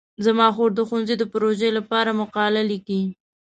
زما خور د ښوونځي د پروژې لپاره مقاله لیکي.